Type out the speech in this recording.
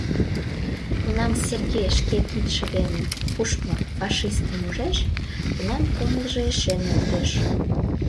Кунам Сергей шке кидше дене пуштмо фашистым ужеш, тунам кумылжо эше нӧлтеш.